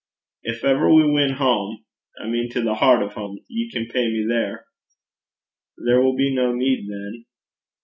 'Gin ever we win hame I mean to the heart o' hame ye can pay me there.' 'There will be no need then.'